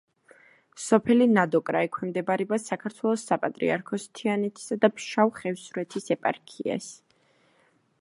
სოფელი ნადოკრა ექვემდებარება საქართველოს საპატრიარქოს თიანეთისა და ფშავ-ხევსურეთის ეპარქიას.